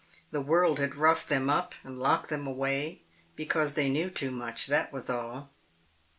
The world had roughed them up and locked them away because they knew too much, that was all.